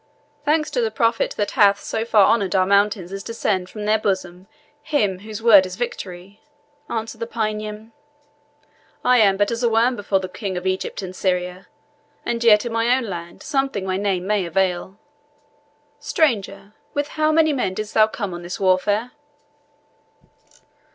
"Thanks to the Prophet that hath so far honoured our mountains as to send from their bosom him whose word is victory," answered the paynim. "I am but as a worm before the King of Egypt and Syria, and yet in my own land something my name may avail. Stranger, with how many men didst thou come on this warfare?"